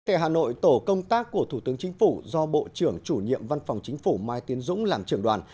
tại hà nội tổ công tác của thủ tướng chính phủ do bộ trưởng chủ nhiệm văn phòng chính phủ mai tiến dũng làm trưởng đoàn